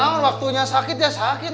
ya waktunya sakit ya sakit